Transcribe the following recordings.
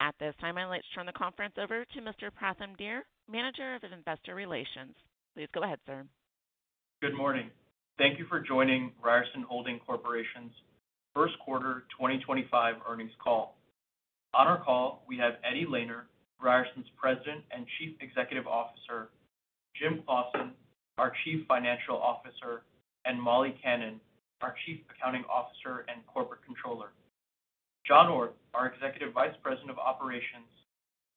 At this time, I'd like to turn the conference over to Mr. Pratham Dear, Manager of Investor Relations. Please go ahead, sir. Good morning. Thank you for joining Ryerson Holding Corporation's first quarter 2025 earnings call. On our call, we have Eddie Lehner, Ryerson's President and Chief Executive Officer, Jim Claussen, our Chief Financial Officer, and Molly Kannan, our Chief Accounting Officer and Corporate Controller. John Orth, our Executive Vice President of Operations,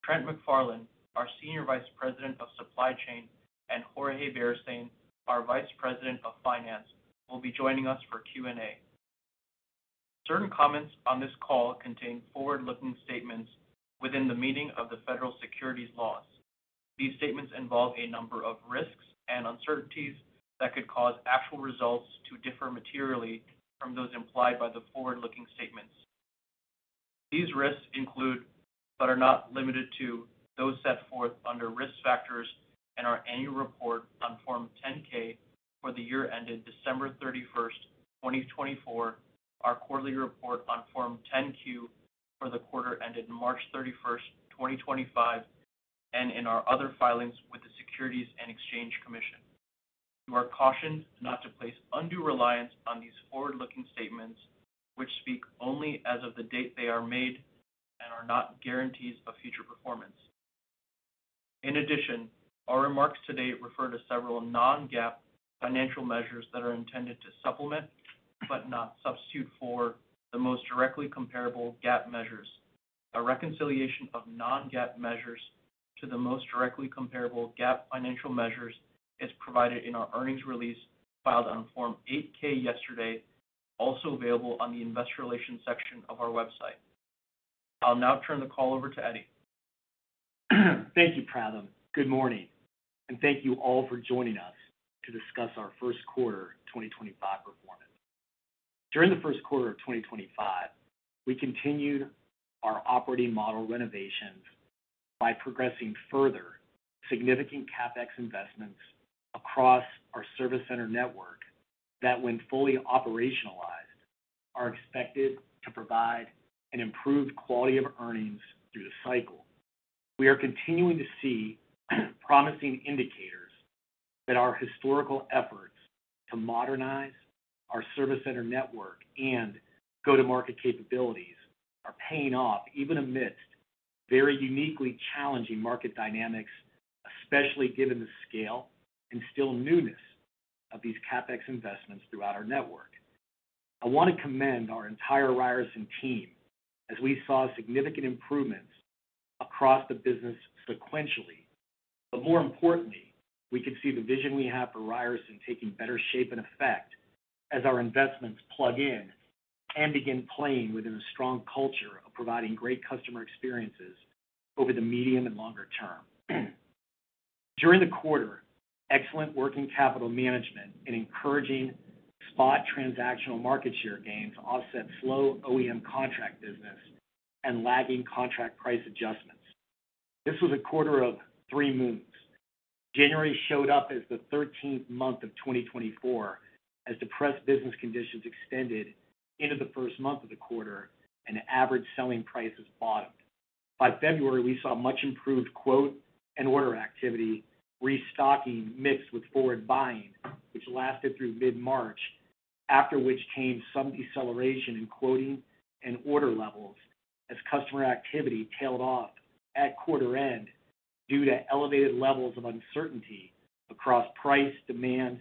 Trent McFarland, our Senior Vice President of Supply Chain, and Jorge Beristain, our Vice President of Finance, will be joining us for Q&A. Certain comments on this call contain forward-looking statements within the meaning of the federal securities laws. These statements involve a number of risks and uncertainties that could cause actual results to differ materially from those implied by the forward-looking statements. These risks include, but are not limited to, those set forth under risk factors in our annual report on Form 10-K for the year ended December 31, 2024, our quarterly report on Form 10-Q for the quarter ended March 31, 2025, and in our other filings with the Securities and Exchange Commission. You are cautioned not to place undue reliance on these forward-looking statements, which speak only as of the date they are made and are not guarantees of future performance. In addition, our remarks today refer to several non-GAAP financial measures that are intended to supplement but not substitute for the most directly comparable GAAP measures. A reconciliation of non-GAAP measures to the most directly comparable GAAP financial measures is provided in our earnings release filed on Form 8-K yesterday, also available on the Investor Relations section of our website. I'll now turn the call over to Eddie. Thank you, Pratham. Good morning, and thank you all for joining us to discuss our first quarter 2025 performance. During the first quarter of 2025, we continued our operating model renovations by progressing further significant CapEx investments across our service center network that, when fully operationalized, are expected to provide an improved quality of earnings through the cycle. We are continuing to see promising indicators that our historical efforts to modernize our service center network and go-to-market capabilities are paying off, even amidst very uniquely challenging market dynamics, especially given the scale and still newness of these CapEx investments throughout our network. I want to commend our entire Ryerson team as we saw significant improvements across the business sequentially. More importantly, we can see the vision we have for Ryerson taking better shape and effect as our investments plug in and begin playing within a strong culture of providing great customer experiences over the medium and longer term. During the quarter, excellent working capital management and encouraging spot transactional market share gains offset slow OEM contract business and lagging contract price adjustments. This was a quarter of three months. January showed up as the 13th month of 2024 as depressed business conditions extended into the first month of the quarter, and average selling prices bottomed. By February, we saw much-improved quote and order activity, restocking mixed with forward buying, which lasted through mid-March, after which came some deceleration in quoting and order levels as customer activity tailed off at quarter end due to elevated levels of uncertainty across price, demand,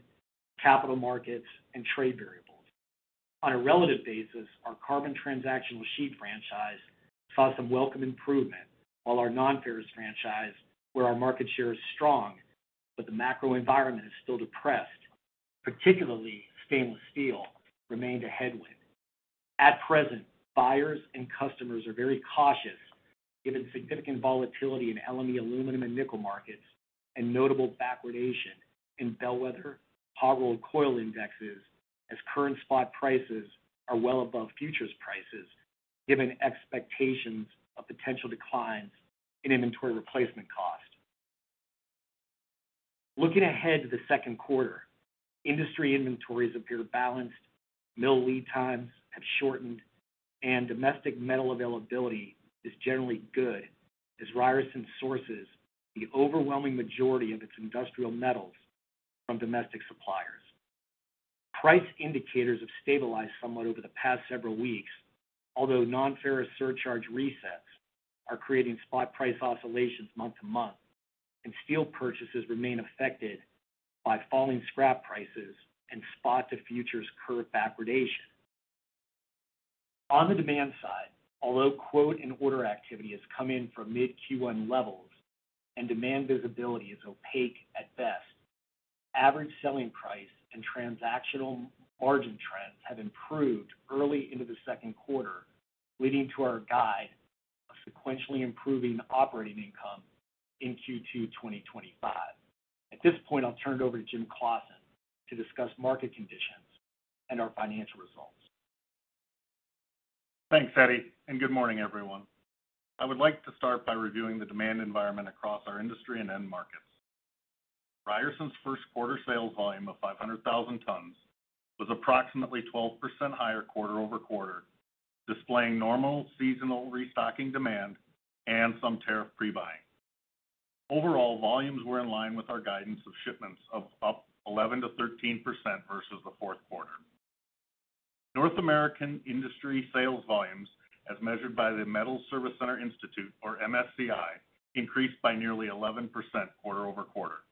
capital markets, and trade variables. On a relative basis, our carbon transactional sheet franchise saw some welcome improvement, while our non-ferrous franchise, where our market share is strong but the macro environment is still depressed, particularly stainless steel, remained a headwind. At present, buyers and customers are very cautious given significant volatility in LME aluminum and nickel markets and notable backwardation in Bellwether Hogwell Coil indexes as current spot prices are well above futures prices, given expectations of potential declines in inventory replacement cost. Looking ahead to the second quarter, industry inventories appear balanced, mill lead times have shortened, and domestic metal availability is generally good, as Ryerson sources the overwhelming majority of its industrial metals from domestic suppliers. Price indicators have stabilized somewhat over the past several weeks, although non-ferrous surcharge resets are creating spot price oscillations month to month, and steel purchases remain affected by falling scrap prices and spot to futures curve backwardation. On the demand side, although quote and order activity has come in from mid-Q1 levels and demand visibility is opaque at best, average selling price and transactional margin trends have improved early into the second quarter, leading to our guide of sequentially improving operating income in Q2 2025. At this point, I'll turn it over to Jim Claussen to discuss market conditions and our financial results. Thanks, Eddie, and good morning, everyone. I would like to start by reviewing the demand environment across our industry and end markets. Ryerson's first quarter sales volume of 500,000 tons was approximately 12% higher quarter over quarter, displaying normal seasonal restocking demand and some tariff pre-buying. Overall, volumes were in line with our guidance of shipments of up 11% to 13% versus the fourth quarter. North American industry sales volumes, as measured by the Metal Service Center Institute, or MSCI, increased by nearly 11% quarter over quarter.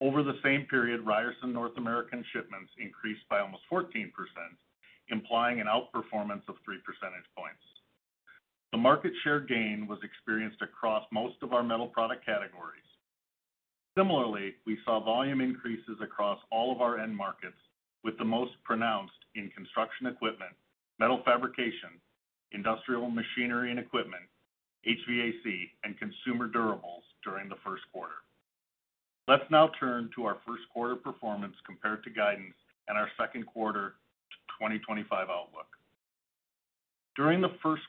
Over the same period, Ryerson North American shipments increased by almost 14%, implying an outperformance of three percentage points. The market share gain was experienced across most of our metal product categories. Similarly, we saw volume increases across all of our end markets, with the most pronounced in construction equipment, metal fabrication, industrial machinery and equipment, HVAC, and consumer durables during the first quarter. Let's now turn to our first quarter performance compared to guidance and our second quarter 2025 outlook. During the first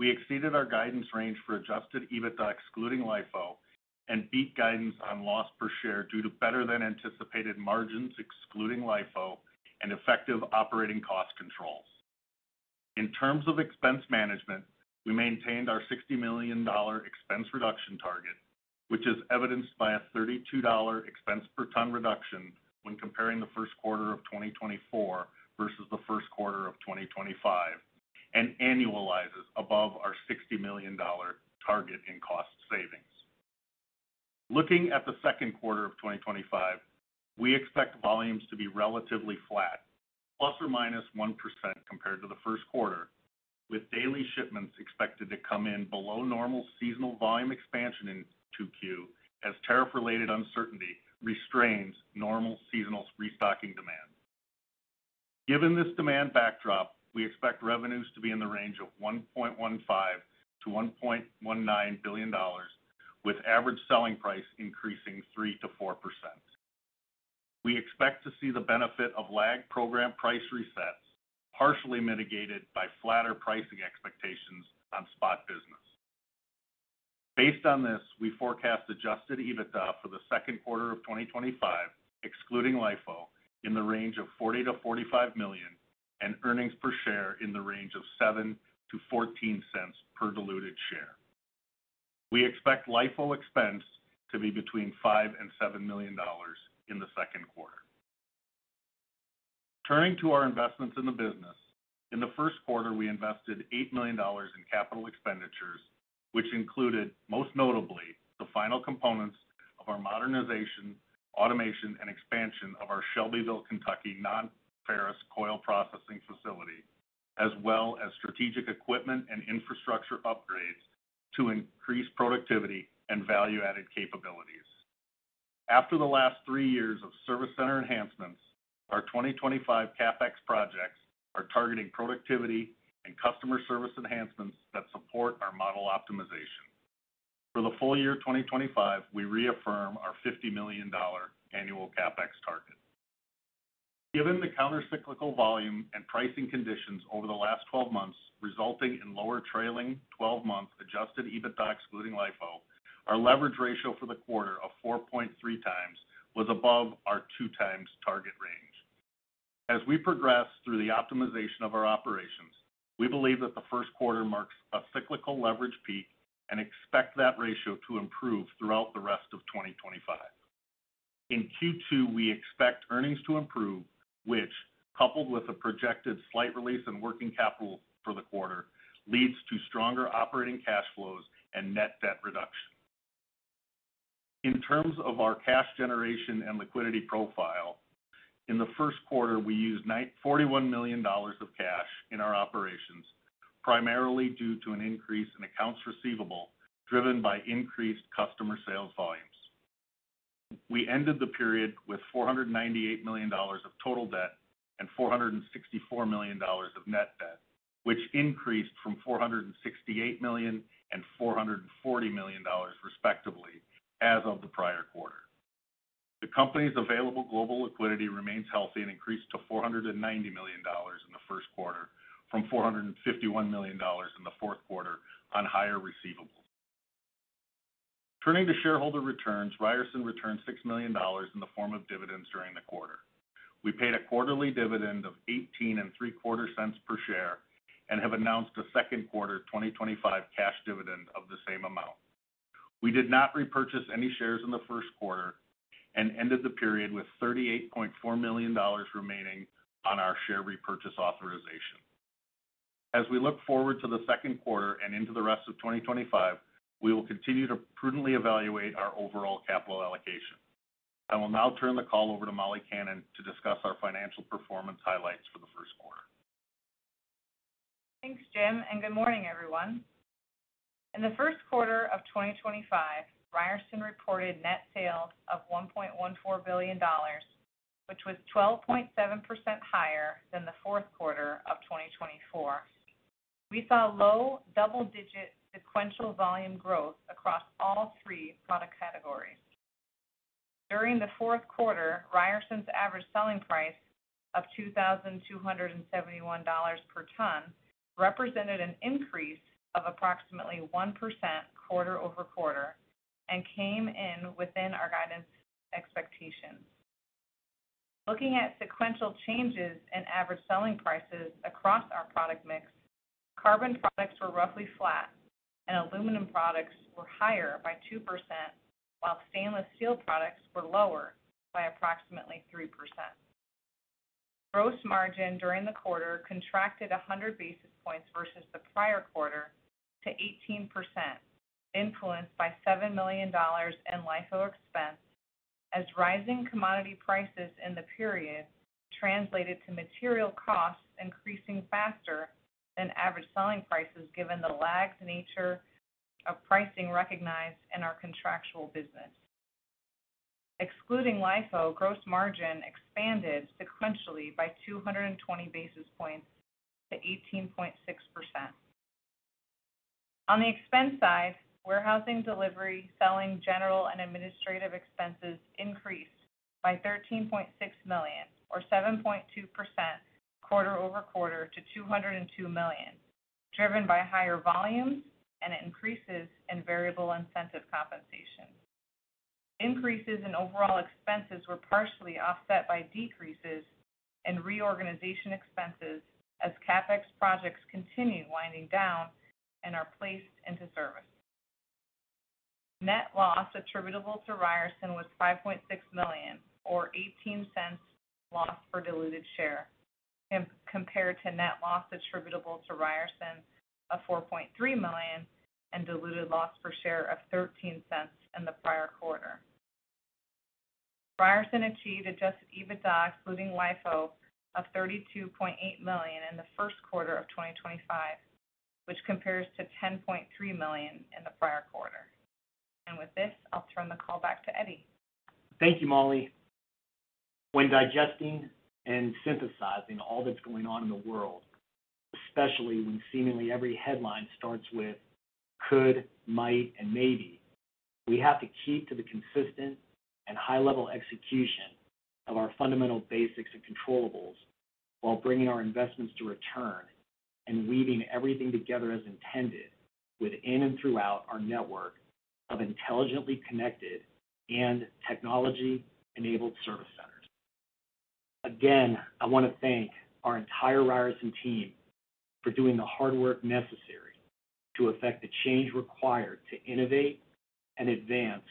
quarter, we exceeded our guidance range for adjusted EBITDA excluding LIFO and beat guidance on loss per share due to better-than-anticipated margins excluding LIFO and effective operating cost controls. In terms of expense management, we maintained our $60 million expense reduction target, which is evidenced by a $32 expense per ton reduction when comparing the first quarter of 2024 versus the first quarter of 2025, and annualizes above our $60 million target in cost savings. Looking at the second quarter of 2025, we expect volumes to be relatively flat, plus or minus 1% compared to the first quarter, with daily shipments expected to come in below normal seasonal volume expansion in Q2 as tariff-related uncertainty restrains normal seasonal restocking demand. Given this demand backdrop, we expect revenues to be in the range of $1.15-$1.19 billion, with average selling price increasing 3%-4%. We expect to see the benefit of lagged program price resets, partially mitigated by flatter pricing expectations on spot business. Based on this, we forecast adjusted EBITDA for the second quarter of 2025, excluding LIFO, in the range of $40-$45 million and earnings per share in the range of $0.07-$0.14 per diluted share. We expect LIFO expense to be between $5 and $7 million in the second quarter. Turning to our investments in the business, in the first quarter, we invested $8 million in capital expenditures, which included, most notably, the final components of our modernization, automation, and expansion of our Shelbyville, Kentucky non-ferrous coil processing facility, as well as strategic equipment and infrastructure upgrades to increase productivity and value-added capabilities. After the last three years of service center enhancements, our 2025 CapEx projects are targeting productivity and customer service enhancements that support our model optimization. For the full year 2025, we reaffirm our $50 million annual CapEx target. Given the countercyclical volume and pricing conditions over the last 12 months, resulting in lower trailing 12-month adjusted EBITDA excluding LIFO, our leverage ratio for the quarter of 4.3 times was above our 2-times target range. As we progress through the optimization of our operations, we believe that the first quarter marks a cyclical leverage peak and expect that ratio to improve throughout the rest of 2025. In Q2, we expect earnings to improve, which, coupled with a projected slight release in working capital for the quarter, leads to stronger operating cash flows and net debt reduction. In terms of our cash generation and liquidity profile, in the first quarter, we used $41 million of cash in our operations, primarily due to an increase in accounts receivable driven by increased customer sales volumes. We ended the period with $498 million of total debt and $464 million of net debt, which increased from $468 million and $440 million, respectively, as of the prior quarter. The company's available global liquidity remains healthy and increased to $490 million in the first quarter, from $451 million in the fourth quarter on higher receivables. Turning to shareholder returns, Ryerson returned $6 million in the form of dividends during the quarter. We paid a quarterly dividend of $0.183 per share and have announced a second quarter 2025 cash dividend of the same amount. We did not repurchase any shares in the first quarter and ended the period with $38.4 million remaining on our share repurchase authorization. As we look forward to the second quarter and into the rest of 2025, we will continue to prudently evaluate our overall capital allocation. I will now turn the call over to Molly Kannan to discuss our financial performance highlights for the first quarter. Thanks, Jim, and good morning, everyone. In the first quarter of 2025, Ryerson reported net sales of $1.14 billion, which was 12.7% higher than the fourth quarter of 2024. We saw low double-digit sequential volume growth across all three product categories. During the fourth quarter, Ryerson's average selling price of $2,271 per ton represented an increase of approximately 1% quarter over quarter and came in within our guidance expectations. Looking at sequential changes in average selling prices across our product mix, carbon products were roughly flat, and aluminum products were higher by 2%, while stainless steel products were lower by approximately 3%. Gross margin during the quarter contracted 100 basis points versus the prior quarter to 18%, influenced by $7 million in LIFO expense, as rising commodity prices in the period translated to material costs increasing faster than average selling prices, given the lagged nature of pricing recognized in our contractual business. Excluding LIFO, gross margin expanded sequentially by 220 basis points to 18.6%. On the expense side, warehousing, delivery, selling, general, and administrative expenses increased by $13.6 million, or 7.2% quarter over quarter, to $202 million, driven by higher volumes and increases in variable incentive compensation. Increases in overall expenses were partially offset by decreases in reorganization expenses as CapEx projects continue winding down and are placed into service. Net loss attributable to Ryerson was $5.6 million, or $0.18 loss per diluted share, compared to net loss attributable to Ryerson of $4.3 million and diluted loss per share of $0.13 in the prior quarter. Ryerson achieved adjusted EBITDA excluding LIFO of $32.8 million in the first quarter of 2025, which compares to $10.3 million in the prior quarter. With this, I'll turn the call back to Eddie. Thank you, Molly. When digesting and synthesizing all that's going on in the world, especially when seemingly every headline starts with "could," "might," and "maybe," we have to keep to the consistent and high-level execution of our fundamental basics and controllables, while bringing our investments to return and weaving everything together as intended within and throughout our network of intelligently connected and technology-enabled service centers. Again, I want to thank our entire Ryerson team for doing the hard work necessary to affect the change required to innovate and advance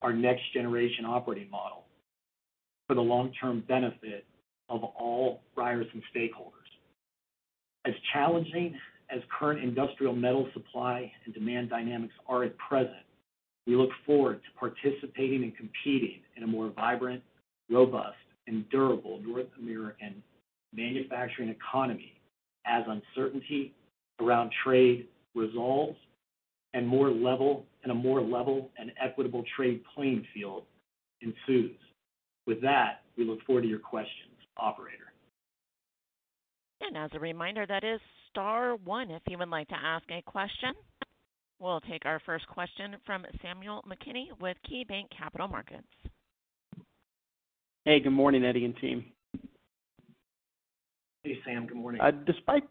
our next-generation operating model for the long-term benefit of all Ryerson stakeholders. As challenging as current industrial metal supply and demand dynamics are at present, we look forward to participating and competing in a more vibrant, robust, and durable North American manufacturing economy as uncertainty around trade resolves and a more level and equitable trade playing field ensues. With that, we look forward to your questions, operator. As a reminder, that is star one if you would like to ask a question. We'll take our first question from Samuel McKinney with KeyBanc Capital Markets. Hey, good morning, Eddie and team. Hey, Sam, good morning. Despite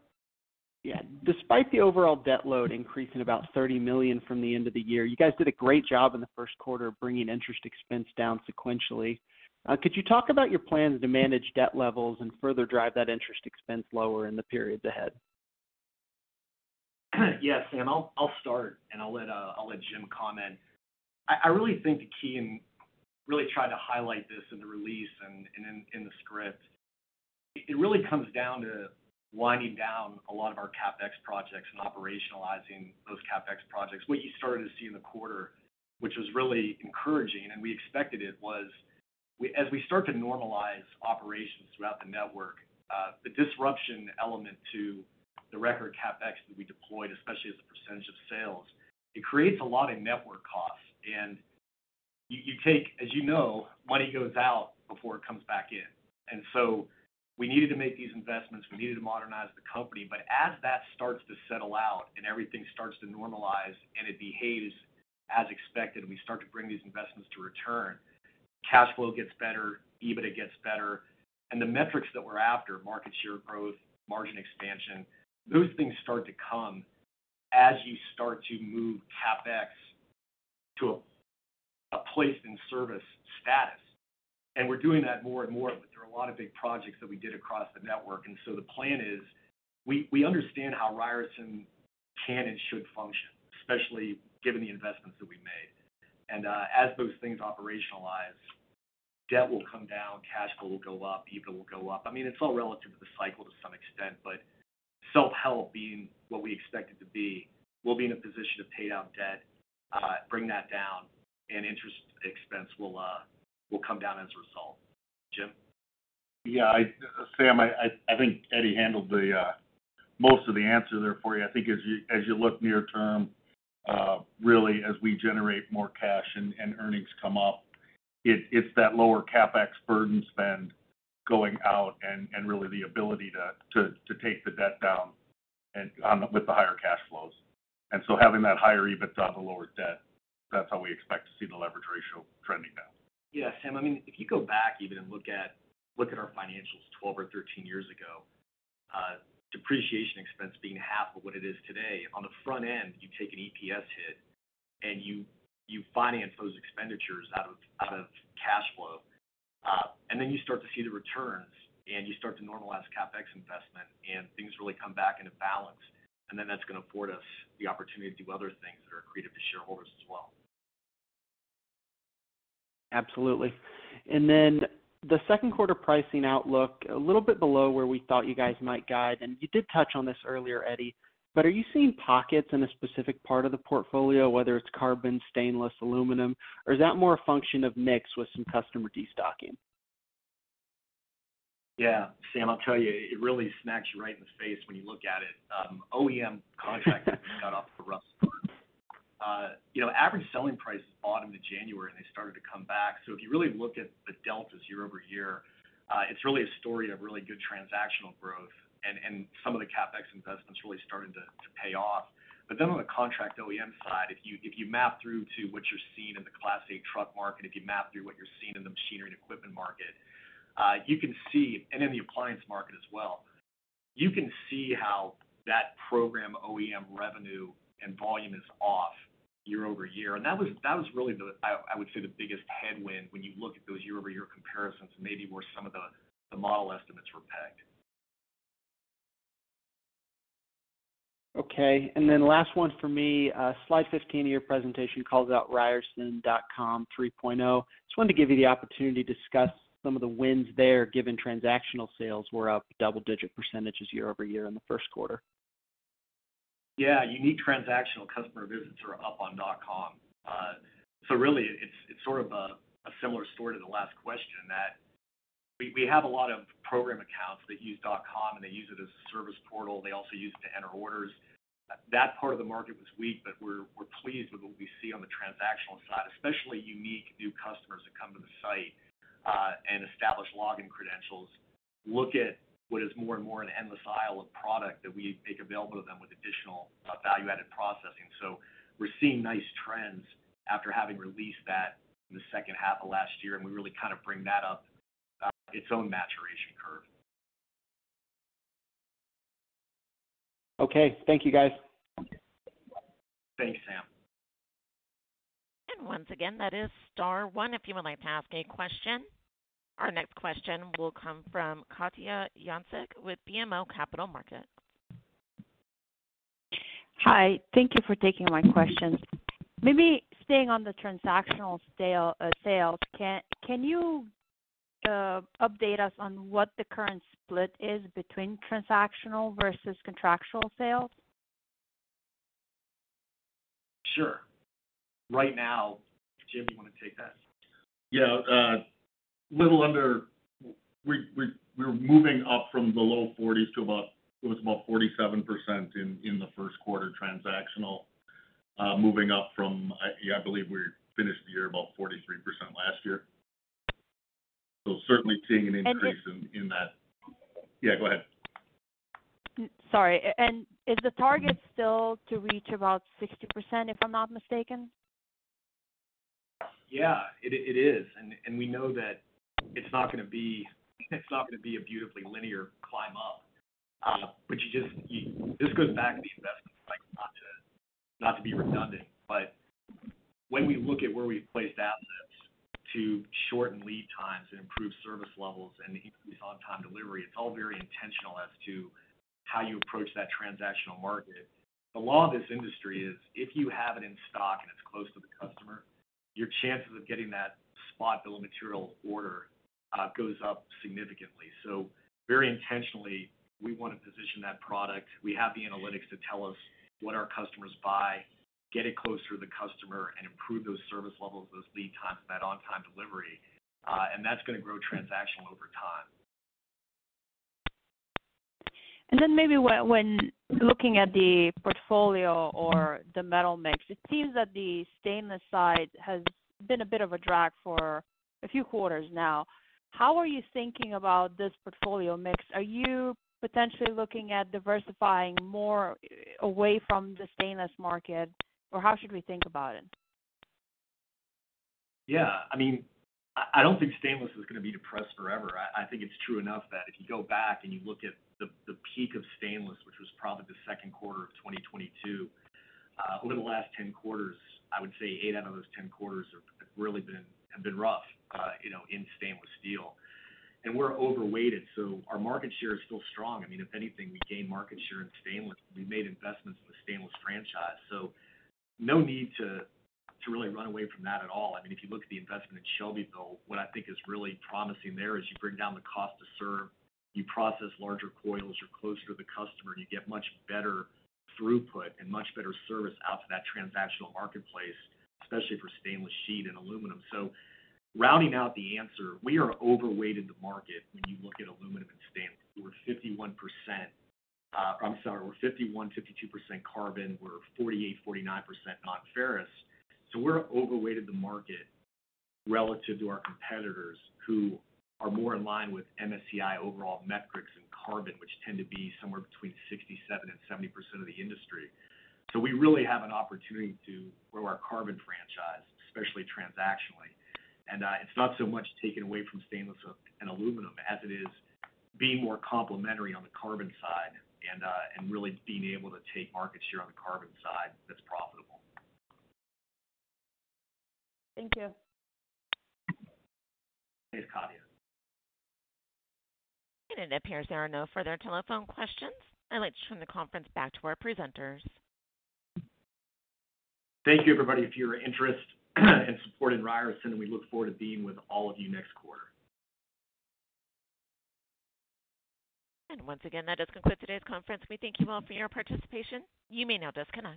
the overall debt load increasing about $30 million from the end of the year, you guys did a great job in the first quarter of bringing interest expense down sequentially. Could you talk about your plans to manage debt levels and further drive that interest expense lower in the periods ahead? Yes, Sam. I'll start, and I'll let Jim comment. I really think the key in really trying to highlight this in the release and in the script, it really comes down to winding down a lot of our CapEx projects and operationalizing those CapEx projects. What you started to see in the quarter, which was really encouraging and we expected it, was as we start to normalize operations throughout the network, the disruption element to the record CapEx that we deployed, especially as a percentage of sales, it creates a lot of network costs. You take, as you know, money goes out before it comes back in. We needed to make these investments. We needed to modernize the company. As that starts to settle out and everything starts to normalize and it behaves as expected, we start to bring these investments to return. Cash flow gets better. EBITDA gets better. The metrics that we're after, market share growth, margin expansion, those things start to come as you start to move CapEx to a place in service status. We're doing that more and more, but there are a lot of big projects that we did across the network. The plan is we understand how Ryerson can and should function, especially given the investments that we made. As those things operationalize, debt will come down, cash flow will go up, EBITDA will go up. I mean, it's all relative to the cycle to some extent, but self-help being what we expect it to be, we'll be in a position to pay down debt, bring that down, and interest expense will come down as a result. Jim? Yeah. Sam, I think Eddie handled most of the answer there for you. I think as you look near term, really, as we generate more cash and earnings come up, it is that lower CapEx burden spend going out and really the ability to take the debt down with the higher cash flows. Having that higher EBITDA and the lower debt, that is how we expect to see the leverage ratio trending down. Yeah, Sam. I mean, if you go back even and look at our financials 12 or 13 years ago, depreciation expense being half of what it is today, on the front end, you take an EPS hit and you finance those expenditures out of cash flow. You start to see the returns and you start to normalize CapEx investment and things really come back into balance. That is going to afford us the opportunity to do other things that are creative to shareholders as well. Absolutely. The second quarter pricing outlook, a little bit below where we thought you guys might guide. You did touch on this earlier, Eddie, but are you seeing pockets in a specific part of the portfolio, whether it's carbon, stainless, aluminum, or is that more a function of mix with some customer destocking? Yeah. Sam, I'll tell you, it really smacks you right in the face when you look at it. OEM contracting has got off the rough spur. Average selling prices bottomed in January, and they started to come back. If you really look at the deltas year over year, it's really a story of really good transactional growth and some of the CapEx investments really starting to pay off. On the contract OEM side, if you map through to what you're seeing in the Class A truck market, if you map through what you're seeing in the machinery and equipment market, you can see—and in the appliance market as well—you can see how that program OEM revenue and volume is off year over year. That was really, I would say, the biggest headwind when you look at those year-over-year comparisons and maybe where some of the model estimates were pegged. Okay. Last one for me. Slide 15 of your presentation calls out ryerson.com 3.0. Just wanted to give you the opportunity to discuss some of the wins there, given transactional sales were up double-digit percentages year over year in the first quarter. Yeah. Unique transactional customer visits are up on .com. Really, it's sort of a similar story to the last question, that we have a lot of program accounts that use .com, and they use it as a service portal. They also use it to enter orders. That part of the market was weak, but we're pleased with what we see on the transactional side, especially unique new customers that come to the site and establish login credentials, look at what is more and more an endless aisle of product that we make available to them with additional value-added processing. We're seeing nice trends after having released that in the second half of last year, and we really kind of bring that up its own maturation curve. Okay. Thank you, guys. Thanks, Sam. Once again, that is star one. If you would like to ask a question, our next question will come from Katja Jancic with BMO Capital Markets. Hi. Thank you for taking my questions. Maybe staying on the transactional sales, can you update us on what the current split is between transactional versus contractual sales? Sure. Right now, Jim, you want to take that? Yeah. We're moving up from the low 40s to about—it was about 47% in the first quarter transactional, moving up from, yeah, I believe we finished the year about 43% last year. Certainly seeing an increase in that. And. Yeah, go ahead. Sorry. Is the target still to reach about 60%, if I'm not mistaken? Yeah, it is. We know that it's not going to be—it is not going to be a beautifully linear climb up. This goes back to the investment cycle, not to be redundant. When we look at where we've placed assets to shorten lead times and improve service levels and increase on-time delivery, it's all very intentional as to how you approach that transactional market. The law of this industry is if you have it in stock and it's close to the customer, your chances of getting that spot bill of materials order goes up significantly. Very intentionally, we want to position that product. We have the analytics to tell us what our customers buy, get it closer to the customer, and improve those service levels, those lead times, that on-time delivery. That is going to grow transactional over time. Maybe when looking at the portfolio or the metal mix, it seems that the stainless side has been a bit of a drag for a few quarters now. How are you thinking about this portfolio mix? Are you potentially looking at diversifying more away from the stainless market, or how should we think about it? Yeah. I mean, I do not think stainless is going to be depressed forever. I think it is true enough that if you go back and you look at the peak of stainless, which was probably the second quarter of 2022, over the last 10 quarters, I would say 8 out of those 10 quarters have really been rough in stainless steel. We are overweighted. Our market share is still strong. I mean, if anything, we gained market share in stainless. We have made investments in the stainless franchise. No need to really run away from that at all. I mean, if you look at the investment in Shelbyville, what I think is really promising there is you bring down the cost to serve, you process larger coils, you're closer to the customer, and you get much better throughput and much better service out to that transactional marketplace, especially for stainless sheet and aluminum. Rounding out the answer, we are overweighted the market when you look at aluminum and stainless. We're 51%—I'm sorry, we're 51-52% carbon. We're 48-49% non-ferrous. We're overweighted the market relative to our competitors who are more in line with MSCI overall metrics and carbon, which tend to be somewhere between 67-70% of the industry. We really have an opportunity to grow our carbon franchise, especially transactionally. It is not so much taken away from stainless and aluminum as it is being more complementary on the carbon side and really being able to take market share on the carbon side that is profitable. Thank you. Thanks, Katya. It appears there are no further telephone questions. I'd like to turn the conference back to our presenters. Thank you, everybody, for your interest and support in Ryerson, and we look forward to being with all of you next quarter. That does conclude today's conference. We thank you all for your participation. You may now disconnect.